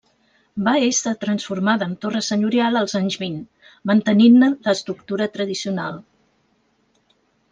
Va ésser transformada en torre senyorial als anys vint, mantenint-ne l'estructura tradicional.